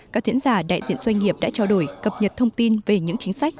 các diễn giả đại diện doanh nghiệp đã trao đổi cập nhật thông tin về những chính sách